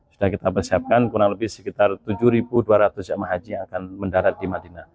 sudah kita persiapkan kurang lebih sekitar tujuh dua ratus jemaah haji yang akan mendarat di madinah